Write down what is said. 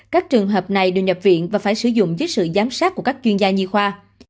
các trường hợp này đều nhập viện và phải sử dụng dưới sự giám sát của các chuyên gia nhi khoa